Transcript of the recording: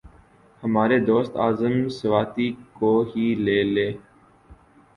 ہمارے دوست اعظم سواتی کو ہی لے لیں۔